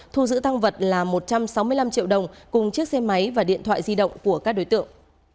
thu giữ tăng vật là một trăm sáu mươi năm triệu đồng cùng chiếc xe máy và điện thoại di động của các đối tượng